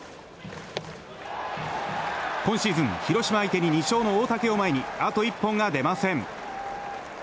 今シーズン広島相手に２勝の大竹を前にあと一本が出ません。